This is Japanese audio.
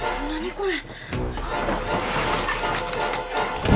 これ。